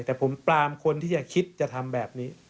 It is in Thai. แต่ผมปรามคนที่จะคิดจะทำแบบนี้